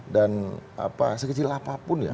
dan apa sekecil apapun ya